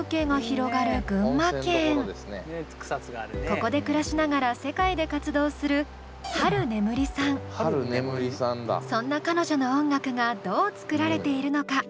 ここで暮らしながら世界で活動するそんな彼女の音楽がどう作られているのか？